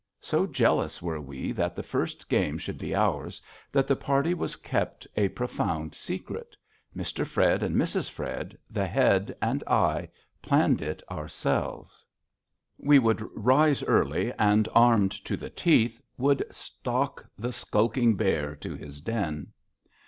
So jealous were we that the first game should be ours that the party was kept a profound secret. Mr. Fred and Mrs. Fred, the Head, and I planned it ourselves. We would rise early, and, armed to the teeth, would stalk the skulking bear to his den.